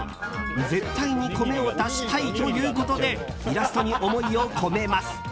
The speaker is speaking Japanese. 絶対に米を出したいということでイラストに思いを込めます。